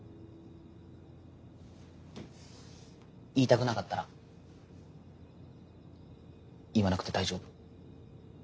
言いたくなかったら言わなくて大丈夫あっです。